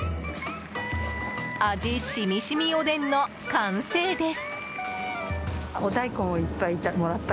味染み染みおでんの完成です。